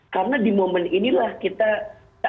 karena di momen inilah kita